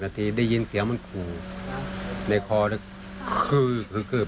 ก็ไปดูอีกทีมีรอยขวน